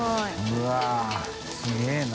うわっすげぇな。